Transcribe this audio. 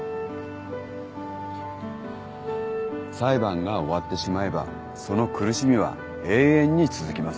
裁判が終わってしまえばその苦しみは永遠に続きます。